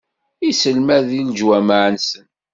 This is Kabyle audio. Isselmad di leǧwameɛ-nsen.